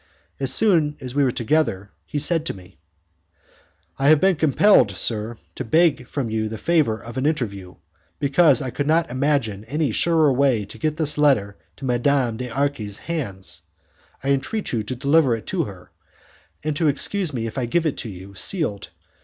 As soon as we were together, he said to me, "I have been compelled, sir, to beg from you the favour of an interview, because I could not imagine any surer way to get this letter to Madame d'Arci's hands. I entreat you to deliver it to her, and to excuse me if I give it you sealed.